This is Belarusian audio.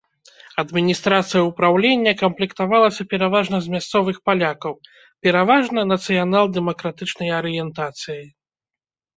Адміністрацыя ўпраўлення камплектавалася пераважна з мясцовых палякаў, пераважна нацыянал-дэмакратычнай арыентацыі.